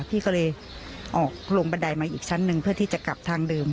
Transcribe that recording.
พี่ก็เลยออกลงบันไดมาอีกชั้นหนึ่งเพื่อที่จะกลับทางเดิม